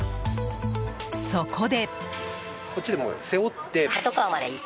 そこで。